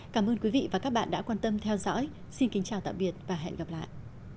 cảm ơn quý vị và các bạn đã quan tâm theo dõi xin kính chào tạm biệt và hẹn gặp lại